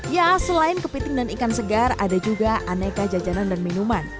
ya selain kepiting dan ikan segar ada juga aneka jajanan dan minuman